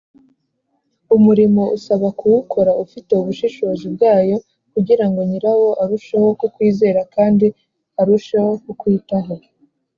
Umurimo usaba ku wukora ufite ubushishozi bwayo kugirango nyirawo arusheho ku kwizera kandi arusheho ku kwitaho